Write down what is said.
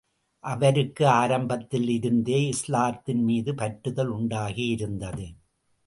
அவருக்கு ஆரம்பத்திலிருந்தே இஸ்லாத்தின் மீது பற்றுதல் உண்டாகி இருந்தது.